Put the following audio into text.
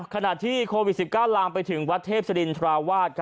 ขณะที่โควิด๑๙ลามไปถึงวัดเทพศรินทราวาส